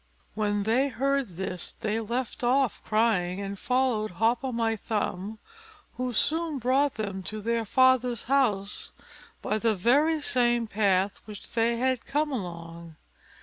When they heard this they left off crying, and followed Hop o' my thumb, who soon brought them to their father's house by the very same path which they had come along.